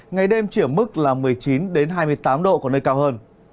ngày đêm chỉ ở mức là một mươi chín đến hai mươi tám độ có nơi cao hơn